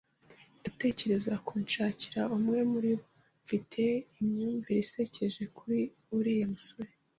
Ndatekereza kunshakira umwe muribo. Mfite imyumvire isekeje kuri uriya musore.